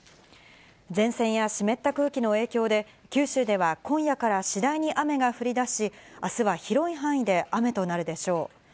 前線や湿った空気の影響で、九州では今夜から次第に雨が降りだし、あすは広い範囲で雨となるでしょう。